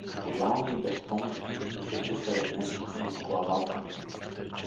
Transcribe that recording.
Жални и безпомощни писъци се разнесоха над главата му.